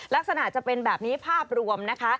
ลักษณะจะเป็นแบบนี้ภาพรวมนะคะ